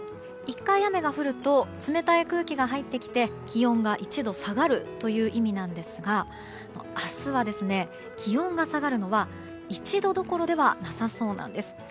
１回雨が降ると冷たい空気が入ってきて気温が１度下がるという意味なんですが明日は気温が下がるのは１度どころではなさそうなんです。